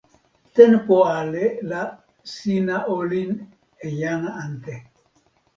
tenpo ale la sina olin e jan ante.